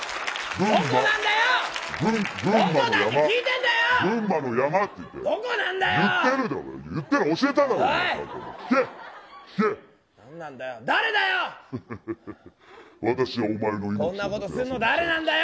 どこなんだよ。